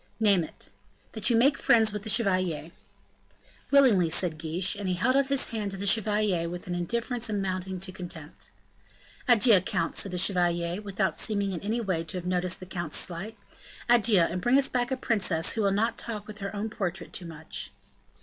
"Name it." "That you make friends with the chevalier." "Willingly," said Guiche. And he held out his hand to the chevalier with an indifference amounting to contempt. "Adieu, count," said the chevalier, without seeming in any way to have noticed the count's slight; "adieu, and bring us back a princess who will not talk with her own portrait too much."